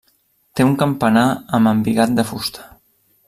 Té un campanar amb embigat de fusta.